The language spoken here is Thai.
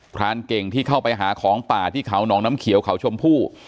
รานเก่งที่เข้าไปหาของป่าที่เขาหนองน้ำเขียวเขาชมพู่